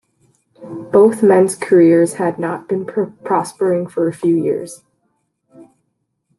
Both men's careers had not been prospering for a few years.